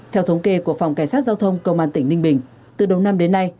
theo thống kê của phòng cảnh sát giao thông công an tỉnh ninh bình từ đầu năm đến nay